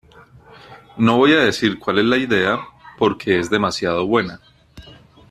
No voy a decir cuál es la idea porque es demasiado buena".